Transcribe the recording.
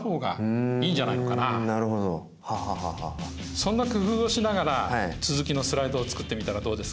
そんな工夫をしながら続きのスライドを作ってみたらどうですか？